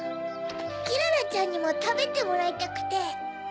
キララちゃんにもたべてもらいたくて。